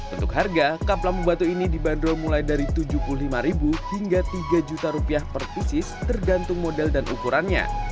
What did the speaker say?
untuk harga kap lampu batu ini dibanderol mulai dari rp tujuh puluh lima hingga rp tiga per pisis tergantung model dan ukurannya